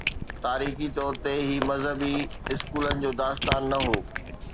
تاريخي طور تي، هي مذهبي اسڪولن جو داستان نه هو.